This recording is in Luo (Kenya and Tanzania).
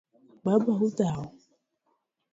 Baba: Udhao?